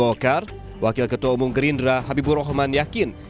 wakil ketua umum golkar wakil ketua umum gerindra habibur rahman yakin